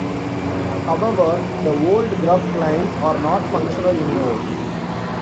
However, the old Grub clients are not functional anymore.